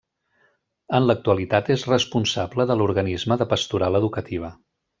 En l'actualitat és responsable de l'organisme de pastoral educativa.